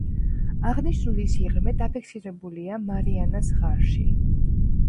აღნიშნული სიღრმე დაფიქსირებულია მარიანას ღარში.